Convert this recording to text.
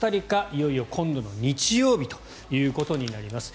いよいよ今度の日曜日ということになります。